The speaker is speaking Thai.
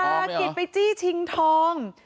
ภารกิจไปจี้ชิงทอง